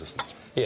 いえ